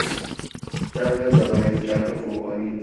جو زبرین، جو فوقانی